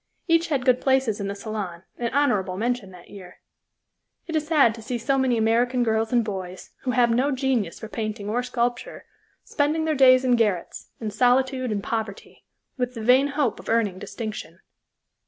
Each had good places in the Salon, and honorable mention that year. It is sad to see so many American girls and boys, who have no genius for painting or sculpture, spending their days in garrets, in solitude and poverty, with the vain hope of earning distinction.